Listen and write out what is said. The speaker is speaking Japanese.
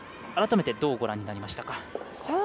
改めてどうご覧になりましたか？